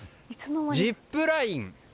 ジップライン。